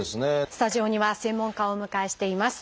スタジオには専門家をお迎えしています。